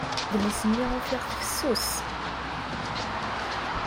Adlis-nni ufiɣ-t fessus.